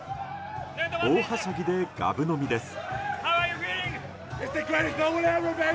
大はしゃぎでがぶ飲みです。